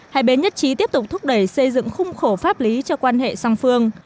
hai bên nhất trí tiếp tục thúc đẩy xây dựng khung khổ pháp lý cho quan hệ song phương